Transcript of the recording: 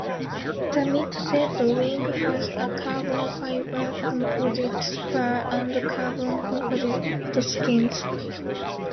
The mid-set wing has a carbon fiber composite spar and carbon composite skins.